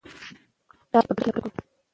راځئ چې په ګډه دا هیله پوره کړو.